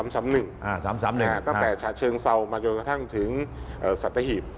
ตั้งแต่ฉะเชิงเศร้าวมาถึงซัทเทฮีบ